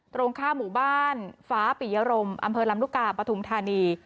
ตรงข้ามหมู่บ้านฟ้าปิยรมอำเภอลำลูกกาปฐุมธานี